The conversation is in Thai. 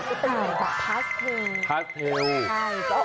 ก็จะเป็นอย่างแบบพาสเทลพาสเทลใช่